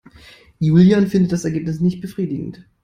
Julian findet das Ergebnis nicht befriedigend.